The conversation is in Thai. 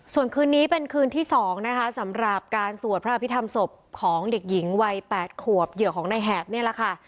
ส่วนคืนนี้เป็นคืนที่๒นะคะสำหรับการสวดพระอภิษฐรรมศพของเด็กหญิงวัย๘ขวบเหยื่อของนายแหบนี่แหละค่ะ